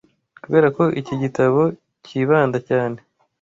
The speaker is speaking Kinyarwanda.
Kubera ko iki gitabo cyibanda cyane